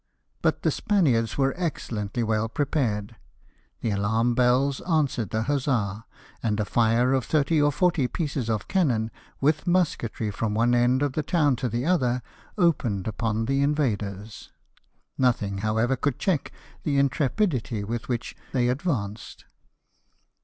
But the Spaniards were excellently well prepared ; the alarm bells answered the huzza, and a fire of thirty or forty pieces of cannon, with musketry from one end of the town to the other, opened upon the invaders. Nothing, however, could check the intrepidity with which they advanced.